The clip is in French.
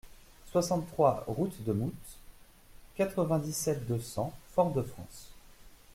soixante-trois route de Moutte, quatre-vingt-dix-sept, deux cents, Fort-de-France